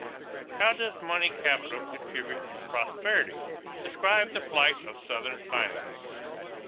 How does money capital contribute to prosperity? Describe the plight of Southern finance.